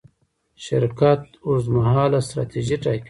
شرکت اوږدمهاله ستراتیژي ټاکي.